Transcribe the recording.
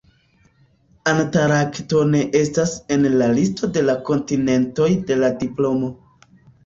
Antarkto ne estas en la listo de kontinentoj de la diplomo.